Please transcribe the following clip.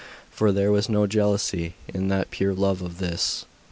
For there was no jealousy in that pure love of his.